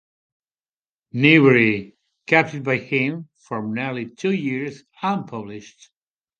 Newbery "kept it by him for nearly two years unpublished".